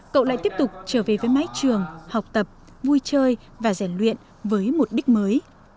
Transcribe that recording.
cậu lại tiếp tục trở về với mái trường học tập vui chơi và rèn luyện với mục đích mới